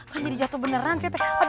kan jadi jatuh beneran